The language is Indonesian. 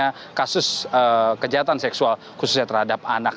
terkait dengan kasus kejahatan seksual khususnya terhadap anak